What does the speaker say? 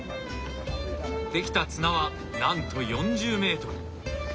出来た綱はなんと４０ｍ！